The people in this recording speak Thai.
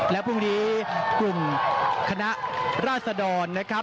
แล้วพรุ่งนี้กลุ่มคณะราศดร